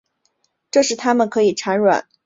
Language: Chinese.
这时它们可以产卵及排精。